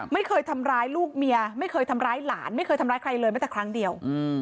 ไม่เคยทำร้ายลูกเมียไม่เคยทำร้ายหลานไม่เคยทำร้ายใครเลยแม้แต่ครั้งเดียว